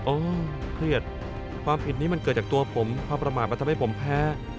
เครียดความผิดนี้มันเกิดจากตัวผมความประมาทมันทำให้ผมแพ้